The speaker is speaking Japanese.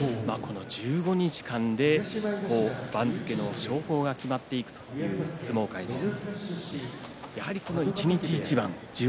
１５日間で番付の昇降が決まっていく相撲界です。